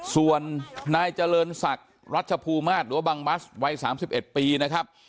ส่วนนายเจริญศักดิ์รัชภูมิมาศหรือว่าบังบัสวัย๓๑ปีนะครับ